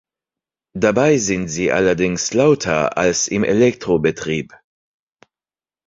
Dabei sind sie allerdings lauter als im Elektrobetrieb.